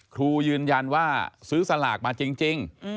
ครูยืนยันว่าซื้อสลากมาจริง